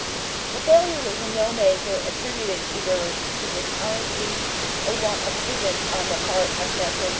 The failure was in no measure attributed either to dishonesty or want of prudence on the part of Messrs.